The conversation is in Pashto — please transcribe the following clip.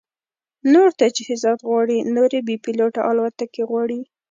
نور تجهیزات غواړي، نورې بې پیلوټه الوتکې غواړي